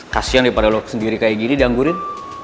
kasian daripada lok sendiri kayak gini dianggurin